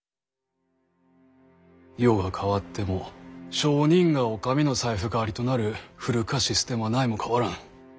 世が変わっても商人がお上の財布代わりとなる古かシステムは何も変わらん。